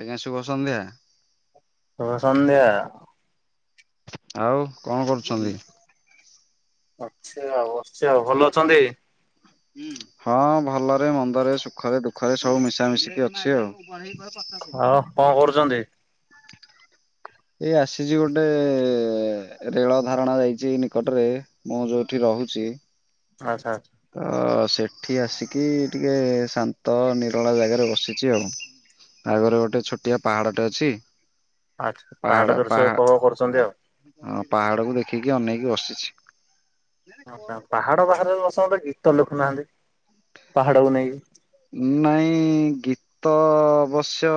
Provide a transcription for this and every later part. ଆଜ୍ଞା ଶୁଭ ସନ୍ଧ୍ୟା। ଶୁଭ ସନ୍ଧ୍ୟା। ଆଉ କଣ କରୁଛନ୍ତି? ଅଛି ଆଉ ଅଛି ଆଉ ଭଲ ଅଛନ୍ତି? ହଁ ଭଲରେ ମନ୍ଦରେ ସୁଖରେ ଦୁଃଖରେ ସବୁ ମିଶା ମିିଶିକି ଅଛି ଆଉ। ହଁ କଣ କରୁଛନ୍ତି? ଏଇ ଆସିଛି ଗୋଟେ ରେଳ ଧାରଣା ଯାଇଛି ଏଇ ନିକଟରେ ମୁଁ ଯୋଉଠି ରହୁଛି। ଆଚ୍ଛା। ଆଚ୍ଛା ଅ ସେଠି ଆସିକି ଟିକେ ଶାନ୍ତ ନିରଳା ଜାଗାରେ ବସିଛି ଆଉ। ଆଗରେ ଗୋଟେ ଛୋଟିଆ ପାହାଡଟେ ଅଛି। ଆଚ୍ଛା ପାହାଡ ଦୃଶ୍ୟ ପାହା ଉପଭୋଗ କରୁଛନ୍ତି ଆଉ। ହ ପାହାଡକୁ ଦେଖି କିଏ ଅନେଇକି ବସିଛି। ପାହାଡ ବାହାରେ ବାସନ୍ତେ ଗୀତ ଲେଖୁନାହାନ୍ତି ପାହାଡକୁ ନେଇକି। ନାଇଁ ଗୀତ ଅବଶ୍ୟ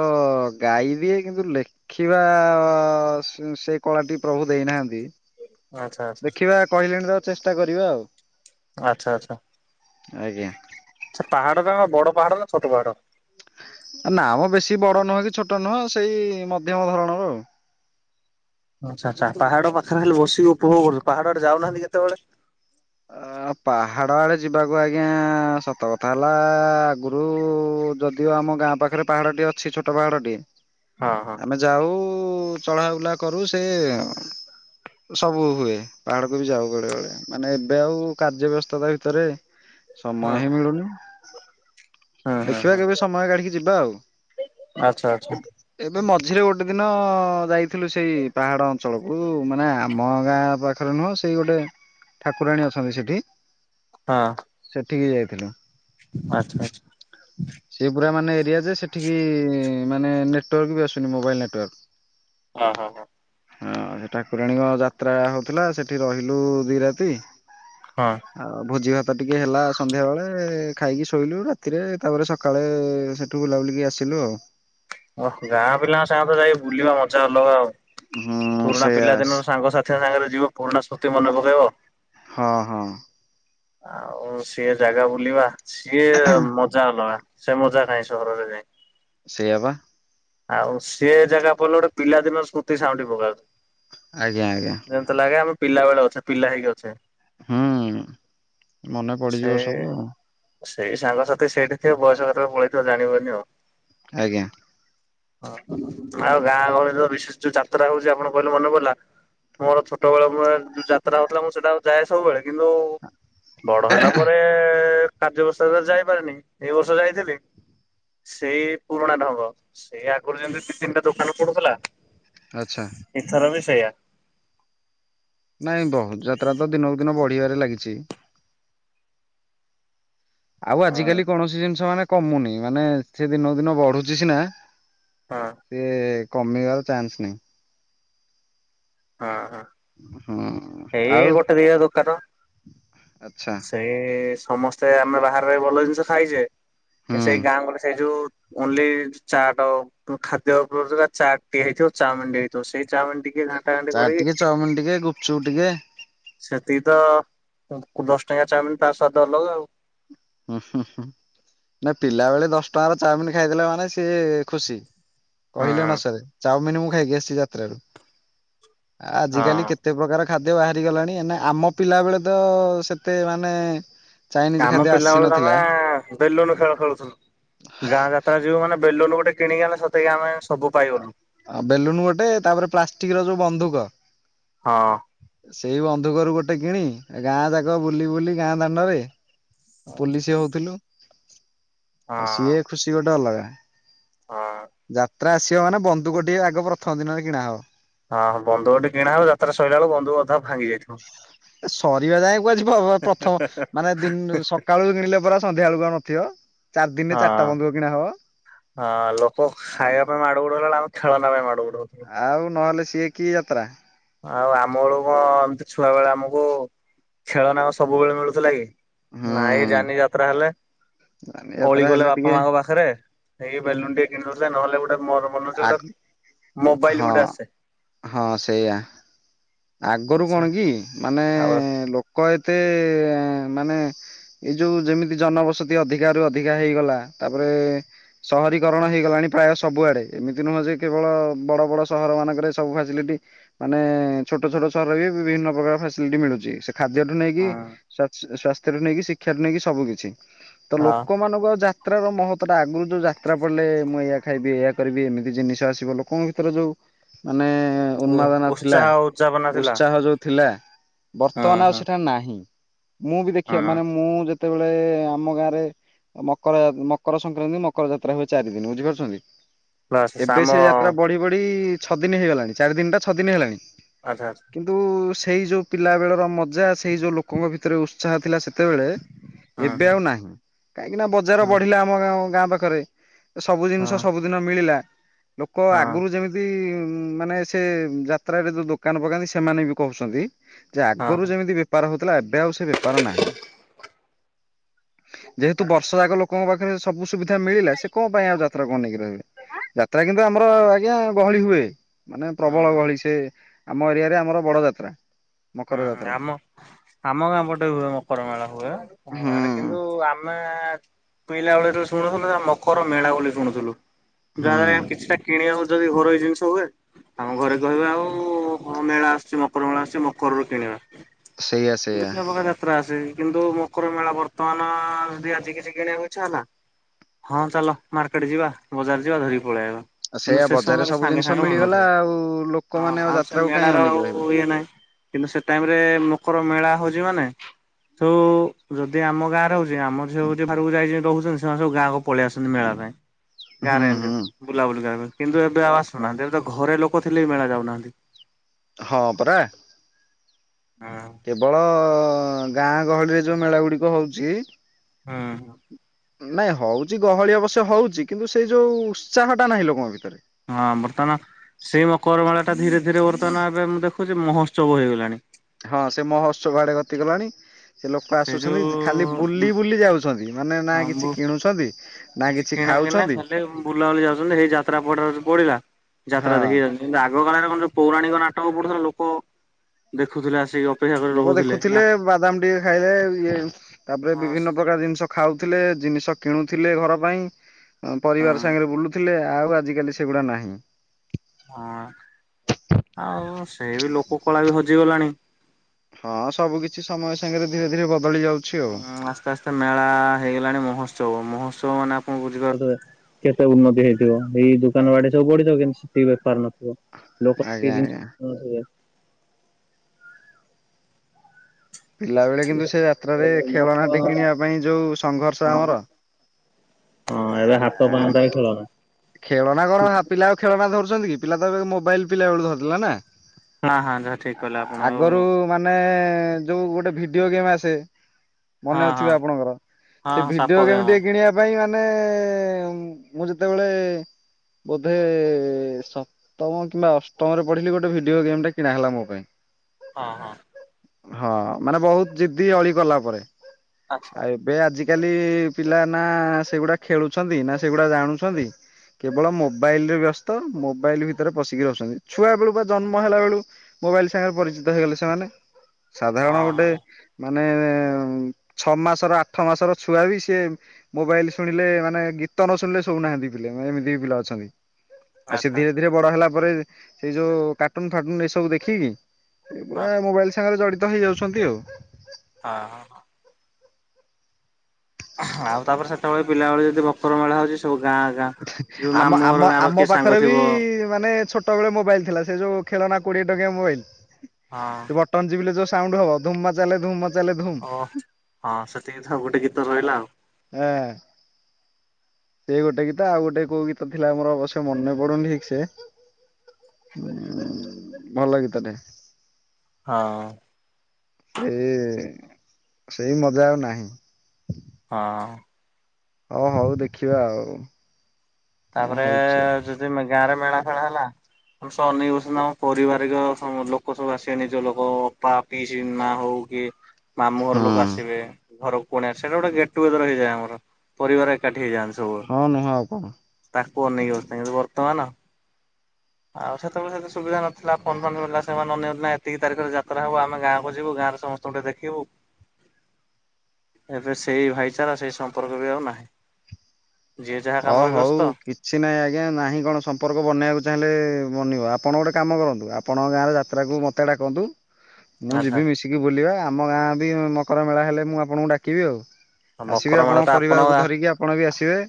ଗାଇବି କିନ୍ତୁ ଲେଖି ବା ସେ କଳାଟି ପ୍ରଭୁ ଦେଇନାହାନ୍ତି। ଆଚ୍ଛା ଆଚ୍ଛା ଦେଖିବା କହିଲେଣି ତ ଚେଷ୍ଟା କରିବା ଆଉ। ଆଚ୍ଛା ଆଚ୍ଛା ଆଜ୍ଞା ଆଚ୍ଛା ସେ ପାହାଡଟା ବଡ ପାହାଡ ନା ଛୋଟ ପାହାଡ? ନାଁ ମ ବେଶୀ ବଡ ନୁହେଁ କି ଛୋଟ ନୁହଁ ସେଇ ମଧ୍ୟମ ଧରଣର ଅଉ। ଆଚ୍ଛା ଆଚ୍ଛା ପାହାଡ ପାଖରେ ହେଲେ ବସିକି ଉପଭୋଗ କରୁଛନ୍ତି, ପାହାଡ ଆଡେ ଯାଉନାହାନ୍ତି କେତେବେଳେ? ଆ ପାହାଡ ଆଡେ ଯିବାକୁ ଆଜ୍ଞା ସତ କ ଥା ହେଲା ଆଗରୁ ଯଦିଓ ଆମ ଗାଁ ପାଖରେ ପାହାଡଟି ଅଛି ଛୋଟ ପାହାଡଟି ହଁ ହଁ ଆମେ ଯାଉ ଚଢ଼ ବୁଲା କରୁ ସେ ସବୁ ହୁଏ ପାହାଡକୁ ବି ଯାଉ ବଳେ ବେଳେ ମାନେ ଏବେ ଆଉ କାର୍ଯ୍ୟ ବ୍ୟସ୍ତ ତା ଭିତରେ ହଁ ସମୟ ହିଁ ମିଳୁନି। ହଁ ହଁ ଦେଖିବା ହଁ କେବେ ସମୟ କାଢିକି ଯିବା ଆଉ। ଆଚ୍ଛା ଆଚ୍ଛା ଏବେ ମଝିରେ ଗୋ ଗୋଟେ ଦିନ ଯାଇଥିଲୁ ସେଇ ପାହାଡ ଅଞ୍ଚଳକୁ ମାନେ ଆମ ଗାଁ ପାଖରେ ନୁହଁ ସେଇ ଗୋଟେ ଠାକୁରାଣୀ ଅଛନ୍ତି ସେଠି। ହଁ। ସେଠିକି ଯାଇଥିଲୁ? ଆଚ୍ଛା ଆଚ୍ଛା। ସେ ପୁରା ମାନେ ଦିଆଯଏ, ସେଠିକି ମାନେ ନେଟୱାର୍କ ବି ଆସୁନି ମୋବାଇଲ ନେଟୱାର୍କ। ହଁ ହଁ ହଁ। ହଁ ସେ ଠାକୁରାଣୀଙ୍କ ଯାତ୍ରା ହଉଥିଲା ସେଠି ରହିଲୁ ଦି ରାତି ହଁ ଆଉ ଭୋଜି ଭାତ ଟିକେ ହେଲା ସନ୍ଧ୍ୟାବେଳେ ଖାଇକି ଶୋଇଲୁ ରା ତିରେ ତାପରେ ସକାଳେ ସେଠୁ ବୁଲାବୁଲିିକି ଆସିଲୁ ଆଉ। ଓହୋ ଗାଁ ପିଲାଙ୍କ ସାଙ୍ଗରେ ଯାଇକ ବୁଲିବା ମଜା ଅଲଗ ଆଉ। ହୁଁ ପୁରୁଣା ସେଇଆ ପିଲାଦିନର ସାଙ୍ଗସାଥି ସାଙ୍ଗରେ ଯିବ ପୁରୁଣା ସ୍ମୃତି ମନେ ପକେଇବ। ହଁ ହଁ। ଆଉ ସିଏ ଜାଗା ବୁଲିବା ସିଏ ମଜା ଅଲଗା। ସେ ମଜା କାଇଁ ସହରରେ ଯାଇଁ ସେଇଆ ପା ଆଉ ସିଏ ଜାଗା ପଲ ଗୋଟେ ପିଲାଦିନ ସ୍ମୃତି ସାଉଁଟି ପକାଉଛି। ଆଜ୍ଞା ଆଜ୍ଞା। ଯେମିତି ଲାଗେ ଆମେ ପିଲା ବେଳେ ଅଛେ ପିଲା ହେଇକି ଅଛେ। ହୁଁ ମନେ ସେ ପଡିଯିବ ସବୁ ଆଉ। ସେଇ ସାଙ୍ଗସାଥି ସେଇଠି ଥିବ ବୟସ କେତବେଳେ ପଳେଇଥିବ ଜାଣିବନି ଆଉ। ଆଜ୍ଞା। ହଁ ଆଉ ଗାଁ ଗହଳିରେ ଯୋଉ ବିଶେଷ ଯୋଉ ଯାତ୍ରା ହଉଛି ଆପଣ କହିଲେ ମନେ ପଡିଲା। ମୋର ଛୋଟବେଳ ଯୋଉ ଯାତ୍ରା ହଉଥିଲା ମୁଁ ସେଟା ଯାଏ ସବୁବେଳେ କିନ୍ତୁ ବଡ ହେଲା ପରେ କାର୍ଯ୍ୟ ବ୍ୟସ୍ତରେ ତ ଯାଇପାରେନି ଏଇ ବର୍ଷ ଯାଇଥିଲି ସେଇ ପୁରୁଣା ଢଙ୍ଗ ସେଇ ଆଗରୁ ଯେମିତି ଦି, ତିନିଟା ଦୋକାନ ପଡୁଥିଲା। ଆଚ୍ଛା ଏଥର ବି ସେୟା। ନାଇଁ ବହୁ ଯାତ୍ରା ତ ଦିନକୁ ଦିନ ବଢିବାରେ ଲାଗିଛି। ଆଉ ହଁ ଆଜିିକାଲି କୌଣସି ଜିନିଷ ମାନେ କମୁନି ମାନେ ସେ ଦିନକୁ ଦିନ ବଢୁଛି ସିନା ଆଁ। ସେ କମିବାର ଚାନ୍ସ ନାହିଁ। ଆଁ ହଁ। [inaudible] ଏଇ ଆଉ ଗୋଟେ ଦିଟା ଦୋକାନ ଆଚ୍ଛା ସେଇ ସମସ୍ତେ ଆମେ ବାହାରେ ରହି ଭଲ ଜିନିଷ ଖାଇଚେ ହୁଁ ସେଇ ଗାଁ କୁ ଗଲେ ସେଇ ଯୋଉ ଓଲ୍ଲି ଚାଟ ଖାଦ୍ୟ ଉପ ଚାଟ୍ ଟିଏ ହେଇଥିବ ଚାଓମିନ ଟିଏ ହେଇଥିବ ସେଇ ଚାଓମିନ ଟି ଚାଟ୍ ଟିକେ, ଚାଉମିନ ଟିକେ, ଗୁପଚୁପ ଟିକେ। ଏତିକି ତ କୁ ଦଶ ଟଙ୍କିଆ ଚାଓମିନ ତା ସ୍ଵାଦ ଅଲଗା ଆଉ। ହୁଁ ହୁଁ ହୁଁ ନା ପିଲା ବେଳେ ଦଶ ଟଙ୍କାରେ ଚାଓମିନ ଖାଇଦଲେ ମାନେ ସିଏ ଖୁସି। ହଁ କହିଲେ ନ ସରେ ଚାଓମିନ ମୁଁ ଖାଇକି ଆସିଛି ଯାତ୍ରାରୁ। ଆ ଆଜିିକାଲି ହଁ କେତେ ପ୍ରକାର ଖା ଖାଦ୍ୟ ବାହାରି ଗଲାଣି ଆମ ପିଲା ବେଳେ ତ ସେତେ ମାନେ ଚାଇନିଜ୍ ଖାଦ୍ୟ ଆସି ନଥିଲା ଆମେ ବେଲୁନ ଖେଳ ଖେଳୁଥୁଲୁ ଗାଁ ଯାତ୍ରା ଯିବୁ ମାନେ ବେଲୁନ ଗୋଟେ କିଣିକି ଆଣିଲେ ସତେକି ଆମେ ସବୁ ଅ ପାଇଗଲୁ। ଅ ବେଲୁନ ଗୋଟେ ତାପରେ ପ୍ଲାଷ୍ଟିକ ର ଯୋଉ ବନ୍ଧୁକ। ହଁ। ସେଇ ବନ୍ଧୁକରୁ ଗୋଟେ କିଣି ଗାଁ ଯାକ ବୁଲି ବୁଲି ଗାଁ ଦାଣ୍ଡରେ ପୋଲିସି ହଉଥିଲୁ ଆଉ ହଁ ସିଏ ଖୁସି ଗୋଟେ ଅଲଗା। ହଁ। ଯାତ୍ରା ଆସିବ ମାନେ ବନ୍ଧୁକ ଟିକେ ଆଗ ପ୍ରଥମ ଦିନରେ କିଣାହବ। ହଁ ବନ୍ଧୁକ ଟିକେ କିଣା ହବ ଯାତ୍ରା ସରିଲା ବେଳକୁ ବନ୍ଧୁ ଅଧା ଭାଙ୍ଗି ଯାଇଥିବ। ଏ ସରିବା ଯାଇଏ କୁଆଯିବ ପ୍ରଥମ ମାନେ ଦିନ ସକାଳୁ କିଣିଲେ ପରା ସନ୍ଧ୍ୟା ବେଳକୁ ଆଉ ନଥିବ। ଚାରି ହଁ। ଦିନରେ ଚାରିଟା ବନ୍ଧୁକ କିଣା ହବ। ହଁ ଲୋକ ଖାଇବା ପାଇଁ ମାଡ ଗୋଳ ହେଲା ବେଳେ ଆମେ ଖେଳନା ପାଇଁ ମାଡ ଗୋଳ ହଉଥିଲୁ। ଆଉ ନହେଲେ ସିଏ କି ଯାତ୍ରା। ଆଉ ଆମ ବଳୁ କଣ ଏମତି ଛୁଆ ବେଳେ ଆମକୁ ଖେଳନା କଣ ସବୁବେଳେ ମିଳୁଥିଲା କି? ନାଇଁ ହୁଁ। ଜାନି ଯାତ୍ରା ହେଲେ ଯାତ୍ରା ଓଳି ହେଲେ ଗଲେ ଟିକେ ବାପ ମାଙ୍କ ପାଖରେ ଏଇ ବେଲୁନ ଟିକେ କିିନଥିଲେ ନହେଲେ ଗୋଟେ ମୋର ମନ ଅଛି ଆ ଗୋଟେ ମୋବାଇଲ୍ ଗୋଟେ ହଁ ଆସେ। ହଁ ସେଇଆ ଆଗରୁ ସେ କଣ କି ମାନେ ଆଉ ଲୋକ ଏତେ ମାନେ ଏଇ ଯୋଉ ଯେମିତି ଜନବସତି ଅଧିକା ରୁ ଅଧିକା ହେଇଗଲା ତାପରେ ସ ସହରୀକରଣ ହେଇଗଲାଣି ପ୍ରାୟ ସବୁଆଡ଼େ ଏମିତି ନୁହଁ ଯେ କେବଳ ବଡ଼ ବଡ଼ ସହରମାନଙ୍କରେ ସବୁ ଫ୍ୟାସିଲିଟି ମାନେ ଛୋଟ ଛୋଟ ସହରରେ ବିଭିନ୍ନ ପ୍ରକାର ଫ୍ୟାସିଲିଟି ମିଳୁଛି ସେ ଖାଦ୍ୟଠୁ ନେଇକି ହଁ ସ୍ୱାଚ ସ୍ୱାଥ ସ୍ବାଥ୍ୟ ନେଇକି ଶିକ୍ଷାାରେ ନେଇକି ସବୁ କିିଛି ତ ଲୋକମାନଙ୍କୁ ଆଉ ଜା ଯାତ୍ରାର ମହତତ୍ବଟା ଆଗରୁ ଯୋଉ ଯାତ୍ରା ପଡିଲେ ମୁଁ ଏଇଆ ଖାଇବି ଏଇଆ କରିବି ଏମିତି ଜିନିଷ ଆସିବ ଲୋକଙ୍କ ଭିତରେ ଯୋଉ ମାନେ ହଁ ଉନ୍ମାଦନା ଥିଲା ଉତ୍ସାହ ଉଦଯାପନା ଥିଲା। ଉତ୍ସାହ ଯୋଉ ଥିଲା ହଁ ବର୍ତ୍ତମାନ ଆଉ ହଁ ସେଠା ନାହିଁ ମୁଁ ବି ଦେଖିବା ହଁ। ମାନେ ମୁଁ ଯେତେବେଳେ ଆମ ଗାଁରେ ମକର ଯା ମକର ସଂକ୍ରାନ୍ତି ମକର ଯାତ୍ରା ହୁଏ ଚାରି ଦିନ ବୁଝିପାରୁଚନ୍ତି। ବାସ୍ ସାମ ଏବେ ସେ ଯାତ୍ରା ବଢି ବଢି ଛଅ ଦିନ ହେଇଗଲାଣି ଚାରି ଦିନ ଟା ଛଅ ଦିନ ହେଇଲାଣି। ଆଚ୍ଛା ଆଚ୍ଛା। କିନ୍ତୁ ସେଇ ଯୋଉ ପିଲା ବେଳର ମଜା ସେଇ ଯୋଉ ଲୋକଙ୍କ ଭିତରେ ଉତ୍ସାହ ଥିଲା ସେ ସେତେବେଳେ ହଁ ଏବେ ହଁ। ଆଉ ନାହିଁ କାହିଁକି ନା ବଜାର ହଁ ବଢିଲା ଆମ ଗାଁ ପାଖରେ ସବୁ ହଁ ଜିନିଷ ସବୁଦିନ ମିଳିଲା ଲୋକ ହଁ ଆଗରୁ ଯେମିତି ମାନେ ସେ ଯାତ୍ରାରେ ଦୋ ଦୋକାନ ପକାନ୍ତି ସେମାନେ ବି କହୁଛନ୍ତି ଯେ ହଁ ଆଗରୁ ହଁ। ଯେମିତି ବେପାର ହଉ ଏବେ ଆଉ ସେ ବେପାର ନାହିଁ ଯେହେତୁ ବର୍ଷ ଯାକ ଲୋକଙ୍କ ପାଖ ରେ ସବୁ ସୁବିଧା ମିଳିଲା ସେ କ ପାଇଁ ଆଉ ଯାତ୍ରାକୁ ଅ ନେଇକି ରହିଵେ ଯାତ୍ରା କିନ୍ତୁ ଆମର ଆଜ୍ଞା ଗହଳି ହୁଏ ମାନେ ପ୍ରବଳ ଗହଳି ହୁଁ ସେ ଆମ ଏରିଆରେ ଆମର ବଡ ଯାତ୍ରା। ମକର ହୁଁ-ହୁଁ ଯାତ୍ରା। ଆମ ଆମ ଗାଁ ପଟେ ହୁଏ ମକର ମେଳା ହୁଏ ଆମ ଗାଆଁରେ ହୁଁ କିନ୍ତୁ ଆମେ ଆଁ ପିଲା ବେଳରୁ ଶୁଣୁଥିଲୁ [inaudible] ମକର ମେଳା ବୋଲି ଶୁଣୁଥିଲୁ ହୁଁ [inaudible] କିଛିଟା କିଣିବାକୁ ଯଦି ଘରୋଇ ଜିନିଷ ହୁଏ ଆମ ଘରେ କହିବେ ଆଉ ମେଳା ଆସୁଛି ମକର ମେଳା ଆସୁଛି ମକରରୁ କିଣିବା। ସେଇଆ ସେଇଆ ବିଭିନ୍ନ ପ୍ରକାର ଯାତ୍ରା ଆସେ। କିନ୍ତୁ ମକର ମେଳା ବର୍ତ୍ତମାନ ଯଦି ଆଜି କିଛି କିଣିବାକୁ ଇଚ୍ଛା ହେଲା ହଁ ଚାଲ ମାର୍କେଟ ଯିବା ବଜାର ଯିବା ଧରିକି ପଳେଇଆଇବା। କିନ୍ତୁ ସେଇଆ ସେ ବଜାରରେ ସମୟରେ ସବୁ ଜିନିଷ ସାଙ୍ଗେସାଙ୍ଗେ ମିଳିଗଲା ମିଳୁନଥିଲା ଆଉ ହଁ ଲୋକମାନେ ଆଉ ସେ ଯାତ୍ରାକୁ କାହିଁ ମେଳାର ଅନେଇକି ରହିବେ। ଆଉ ଇଏ ନାହିଁ। କିନ୍ତୁ ସେ ଟାଇମରେ ମକର ମେଳା ହଉଛି ମାନେ ସବୁ-ଉ-ଉ ଯଦି ଆମ ଗାଁରେ ହଉ [inaudible] ଆମର ସବୁ ଯିଏ ଭାହାରକୁ ଯାଇ ରହୁଛନ୍ତି ସେମାନେ ସବୁ ଗାଆଁକୁ ପଳେଇ ଆସନ୍ତି ମେଳା ପାଇଁ, ହୁଁ ଗାଁରେ ହୁଁ ଏମିତି ବୁଲାବୁଲି କରିବା ପାଇଁ। କିନ୍ତୁ ଏବେ ଆଉ ଆସୁନାହାନ୍ତି ଏବେ ତ ଘରେ ଲୋକ ଥିଲେ ବି ମେଳା ଯାଉନାହାନ୍ତି। ହଁ ପରା। ହଁ କେବଳଅ-ଅ-ଅ ଗାଁଆଗହଳିରେ ଯୋଉ ମେଳା ଗୁଡିକ ହଉଛି ହଁ- ହଁ। ନାଇଁ ହଉଛି ଗହଳି ଅବଶ୍ୟ ହଉଛି କିନ୍ତୁ ସେଇ ଯୋଉ ଉତ୍ସାହଟା ନାହିଁ ଲୋକଙ୍କ ଭିତରେ। ହଁ ବର୍ତ୍ତମାନ ସେଇ ମକର ମେଳାଟା ଧୀରେ ଧୀରେ ବର୍ତ୍ତମାନ ଏବେ ମୁଁ ଦେଖୁଛି ମହୋ ଉତ୍ସବ ହେଇଇଗଲାଣି। ହଁ ସେ ମହୋତ୍ସବ ଆଡେ ଗତିକଲାଣି। ସେ ଲୋକ ଆସୁଛନ୍ତି ଖାଲି ବୁଲି ବୁଲି ଯାଉଛନ୍ତି ମାନେ ନା କିଛି କିଣୁଛନ୍ତି ନା କିଛି କିଣାକିିଣି ନାହିଁ ଖାଉଛନ୍ତି ଖାଲି ବୁଲାବୁଲି ଯାଉଛନ୍ତି ସେଇ ଯାତ୍ରା ପଡ ପଡିଲା। ହଁ ଯାତ୍ରା ଦେଖି ଯାଉଛନ୍ତି କିନ୍ତୁ ଆଗକାଳରେ କଣ ଯୋଉ ପୌରାଣିକ ନାଟକ ପଡୁଥିଲା ଲୋକଅ-ଅ, ଦେଖୁଥିଲେ ଆସିକି ଅ ଲୋକ ଦେଖୁଥିଲେ ବାଦାମ ଟିକେ ଖାଇଲେ ଇଏ ତାପରେ ହଁ ବିଭିନ୍ନ ପ୍ରକାର ଜିନିଷ ଖାଉ ଥିଲେ ଜିନିଷ କିଣୁଥିଲେ ଘର ପାଇଁ। ପରିବାର ସାଙ୍ଗରେ ବୁଲୁଥିଲେ ଆଉ ଆଜିିକାଲି ସେଗୁଡା ନାହିଁ। ହଁଅ-ଅ ଆଉ ସେଇବି ଲୋକକଳା ବି ହଜିଗଲାଣି। ହଁ ସବୁ କିଛି ସମୟ ସାଙ୍ଗରେ ଧୀରେ ଧୀରେ ବଦ୍ ହଁ ଆସ୍ତେ ଆସ୍ତେ ମେଳା ହେଇଗଲାଣି ମହୋ ଉତ୍ସବ, ମହୋତ୍ସବ ମାନେ ଆପଣ ବୁଝିପାରୁଥିବେ କେତେ ଉନ୍ନତି ହେଇଥିବ ଏଇ ଦୋକାନବାଡି ସବୁ ପଡିଥିବ କେମିତି। ସେ ବେପାର ନଥିବ ଲୋକ ଆଜ୍ଞା [inaudible] ଜିନିଷ ଆଜ୍ଞା କିଣୁଥିବେ। ପିଲା ବେଳେ କିନ୍ତୁ ସେ ଯାତ୍ରାରେ ଖେଳନାଟି କିଣିବା ପାଇଁ ଯୋଉ ସଂଘର୍ଷ ଆମର। ଏବେ ହାତ ପାଆନ୍ତାରେ ଖେଳନା। [inaudible] ଖେଳଣା କଣ ହା ପିଲା ଆଉ ଖେଳଣା ଧରୁ ଛନ୍ତି କି, ପିଲା ତ ଏବେ ମୋବାଇଲ ପିଲାବେଳୁ ଧରିଦେଲା ନା। ହଁ ହଁ ଯାହା ଠିକ କହିଲେ ଆପଣ ଆଉ ଆଗରୁ ମାନେ ଯୋଉ ଗୋଟେ ଭିଡିଓ ଗେମ୍ ଆସେ। ହଁ ମନେ ଥିବ ହଁ। ଆପଣଙ୍କର, ସେ ହଁ ସାପ ଭିଡିଓ ଗେମ୍। ଗେମଟି କିଣିବା ପାଇଁ ମାନେଏ-ଏ-ଏ-ଏ ଉଁ ମୁଁ ଯେତେବେଳେ ବୋଧେ ସପ୍ତମ କିମ୍ବା ଅଷ୍ଟମରେ ପଢିଲି ଗୋଟେ ଭିଡିଓ ଗେମଟେ କିଣା ହେଲା ମୋ ପାଇଁ। ହଁ- ହଁ। ହଁ ମାନେ ବହୁତ ଜିଦି ଅଳି କଲା ପରେ, ଆଚ୍ଛା। ଆଉ ଏବେ ଆଜି ଆଜିକାଲିଇ-ଇ ପିଲା ନା ସେଗୁଡା ଖେଳୁଛନ୍ତି ନା ସେଗୁଡା ଜାଣୁଛନ୍ତି। କେବଳ ମୋବାଇଲରେ ବ୍ୟସ୍ତ ମୋବାଇଲ ଭିତରେ ପଶିକି ରହୁଛନ୍ତି ଛୁଆବେଳୁ ବା ଜନ୍ମହେଲା ବେଳୁ ମୋବାଇଲ ସାଙ୍ଗରେ ପରିଚିତ ହେଇଗଲେ ସେମାନେ, ସାଧାରଣ ହଁ ଗୋଟେ ମୁଁ ମାନେ ଛଅ ମାସର ଆଠ ମାସର ଛୁଆ ବି ସେ ମୋବାଇଲ୍ ଶୁଣିଲେ ମାନେ ଗୀତ ନ ଶୁଣିଲେ ଶୋଉନାହାନ୍ତି ପିଲେ ମାନେ ଏମିତି ବି ପିଲା ଅଛନ୍ତି ଆଉ ସେ ଆଚ୍ଛା ଧୀରେ ଧୀରେ ବଡ ହେଲା ତାପରେ ସେଇ ଯୋଉ କାର୍ଟୁନଫାଟୁନ ଏଇ ସବୁ ଦେଖିକି ପୁରା ଆଚ୍ଛା ମୋବାଇଲ ସାଙ୍ଗରେ ଜଡି ତ ହେଇଯାଉଛନ୍ତି ଆଉ। ହଁ- ହଁ -ହଁ। ଆଉ ତାପରେ ସେତେବେଳେ ପିଲାବେଳେ ଯଦି ମକରମେଳା ହଉଛି ସବୁ ଗାଁ ଗାଁ ଯୋଉ ଆମ, ମାମୁଁ ଆମ, ଘର ଗାଁର ଆମ କିଏ ସାଙ୍ଗ ପାଖରେ ବି ଥିବ ମାନେ ଛୋଟ ଟବେଳେ ମୋବାଇଲ ଥିଲା, ସେ ଯୋଉ ଖେଳନା କୋଡିଏ ଟଙ୍କିଆ ମୋବାଇଲ, ହଁ ବଟନ ଚିପିଲେ ଯୋଉ ହବ ଧୁମା ଚାଲେ ଧୁମ ଓ, ହଁ, ସେତିକି ଥାଉ ଗୋଟେ ଗୀତ ସରିଲା। ଏଁ ସେ ଗୋଟେ ଗୀତ ଆଉ ଗୋଟେ କୋଉ ଗୀତ ଥିଲା, ବଶ୍ୟ ମନେ ପଡୁନି ଠିକ ସେ ଭଲ ଗୀତ ଟେ ହଁ ସେଇ ସେଇ ମଜା ଆଉ ନାହିଁ। ହଁ ହଁ ହଉ ଦେଖିବା ଆଉ କଣ ତାପରେ, ହଉଛି ଆଉ ଯଦି ଗାଁ ରେ ମେଳା ଫେଳା ହେଲା ଆମ ସ ଅନନ [unintelligible] କ ବଷ ଆମ ପରାରିବାରିକ ଲୋକ ସବୁ ଆସିବେନି ଯୋଉ ଲୋକପା ପି ସି ମା ହଉ ଓ କେ ମାମୁ ଘର ଲୋକ ହୁଁ ଆସିବେ, ଘର କୁଣିଆ ଆସିବେ, ସେଟା ଗୋଟେ ଗେଟ୍ ଟୁଗେଦର ହେଇଯାଏ ଆମର, ପରିବାର ଏକାଠି ହେଇଯାଆନ୍ତି। ସବୁ। ହଁ ନୁହେଁ ଆଉ କଣ? ତାକୁ ଅନେଇ ବସିଥାଏ ବର୍ତମାନ ଆଉ ସେତେବେଳେ ସେତ ସୁବିଧା ନଥିଲା, ଫୋନ ପୋନ, ସେମାନେ ଏତିକି ତାରିଖରେ ଯାତ୍ରା ହବ, ଆମେ ଗାଁକୁ ଯିବୁ ଗାଁ ସମସ୍ତଙ୍କୁ ଟିକେ ଦେଖିବୁ। ଏବେ ସେଇ ଭାଇଚାରା, ସେଇ ସମ୍ପର୍କ ବି ଆଉ ନାହିଁ। ଯିଏ ଯାହା ହଁ କାମରେ ହଉ, ବ୍ୟସ୍ତ। କିଛି ନାହିଁ ଆଜ୍ଞା, ନାହିଁ କଣ? ସମ୍ପର୍କ ବନେଇବାକୁ ଚାହିଁଲେ ବନିବ, ଆପଣ ଗୋଟେ କାମ କରନ୍ତୁ, ଆପଣ ଗାଁରେ ଯାତ୍ରାକୁ ମତେ ଡାକନ୍ତୁ ମୁଁ ଆଚ୍ଛା ଯିବି ମିଶିକି ବୁଲିବା, ଆମ ଗାଁ ବି ମକର ମେଳା ହେଲେ ମୁଁ ଆପଣଙ୍କୁ ଡାକିବି ଆଉ। ଆଉ ଆସିବେ ମକର ମେଳା ତ ଆପଣଙ୍କ ଆପଣ ପରିବାରକୁ ଗାଁ ଧରିକି, ଆପଣ ବି ଆସିବେ।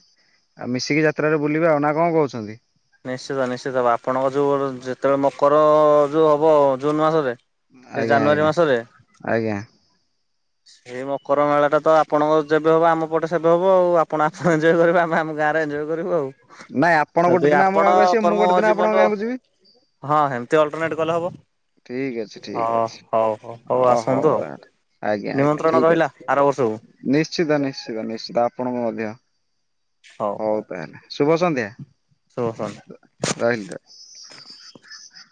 ଆଉ ମିଶିକି ଯାତ୍ରାରେ ବୁଲିବା, ଆଉ ନା କଣ କହୁଛନ୍ତି? ନିଶ୍ଚିତ ନିଶ୍ଚିତ, ଆପଣଙ୍କ ଯୋଉ ଯେତେବେଳେ ମକର ଯୋଉ ହବ, ଜୁନ୍ ମାସରେ ସେ ଆଜ୍ଞା ଜାନୁଆରୀ ଆଜ୍ଞା ମାସରେ ଆଜ୍ଞା ସେଇ ମକର ମେଳା ଟା ତ, ଆପଣଙ୍କ ଯେବେ ହବ, ଆମ ପଟେ ସେବେ ହବ ଆଉ ଆପଣ ଆସିବେ ଯେ ଆମେ ଆମ ଗାଁରେ ଏଞ୍ଜୟ କରିବୁ ଆଉ ନାଇଁ ଆପଣ ଗୋଟେ ଜଦି ଦିନ ଆମ ଆପଣ ଗାଁକୁ ଆସିବେ ମୁଁ କର୍ମମୟ ଗୋଟେ ଦିନ ଜୀବନ ଆପଣଙ୍କ ଗାଁକୁ ଯିବି। ହଁ ସେମତି ଅଲଟରନେଟ୍ କଲେ ହବ। ଠିକ୍ ଅଛି ଠିକ୍ ହଁ ଅଛି ହଉ ହଉ ହଉ ଅ ଆସନ୍ତୁ ଆଉ। ତାହେଲେ। ଆଜ୍ଞା ଆଜ୍ଞା ନିମନ୍ତ୍ରଣ ଠିକ୍ ରହିଲା, ଅଛି ଆର ନିଶ୍ଚିତ ବର୍ଷକୁ। ନିଶ୍ଚିତ ନିଶ୍ଚିତ ଆପଣଙ୍କୁ ମଧ୍ୟ। ହଉ ତାହେଲେ, ଶୁଭ ସନ୍ଧ୍ୟା। ରହିଲି।